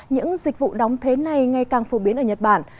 những dịch vụ đóng thế này ngày càng phổ biến ở nhật bản